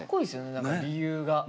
何か理由が。